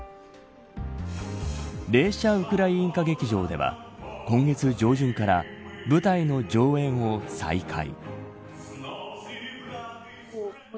レーシャ・ウクライーンカ劇場では、今月上旬から舞台の上演を再開。